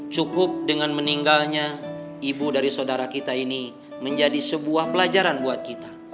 cukup dengan meninggalnya ibu dari saudara kita ini menjadi sebuah pelajaran buat kita